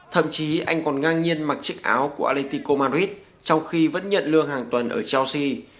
thậm chí anh còn ngang nhiên mặc chiếc áo của alitico madrid trong khi vẫn nhận lương hàng tuần ở chelsea